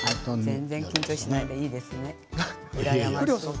全然緊張しないで、いいですね栗原さん